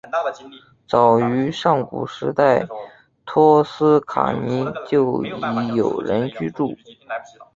早于上古时代托斯卡尼就已有人居住。